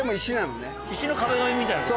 石の壁紙みたいなこと。